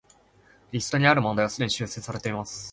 リストにある問題はすでに修正されています